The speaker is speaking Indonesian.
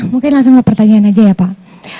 mungkin langsung ke pertanyaan aja ya pak